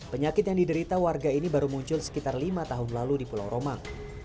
penyakit yang diderita warga ini baru muncul sekitar lima tahun lalu di pulau romang